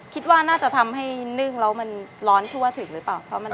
คิดว่าน่าจะทำให้นึ่งแล้วมันร้อนทั่วถึงหรือเปล่า